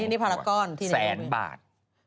อันนี้พาราก้อนที่ไหนแสนบาท